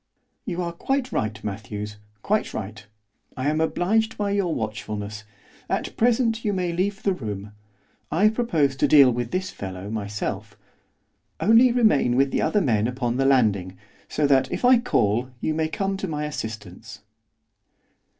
'You are quite right, Matthews, quite right. I am obliged by your watchfulness. At present you may leave the room I propose to deal with this fellow myself, only remain with the other men upon the landing, so that, if I call, you may come to my assistance.